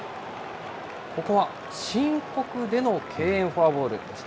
ここは申告での敬遠フォアボールでした。